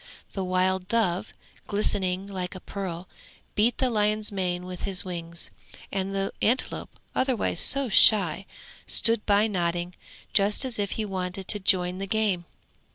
The wild dove, glistening like a pearl, beat the lion's mane with his wings; and the antelope, otherwise so shy, stood by nodding, just as if he wanted to join the game.